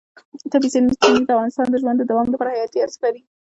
طبیعي سرچینې د انسان د ژوند د دوام لپاره حیاتي ارزښت لري.